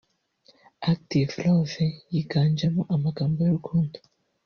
Active Love yiganjemo amagambo y’urukundo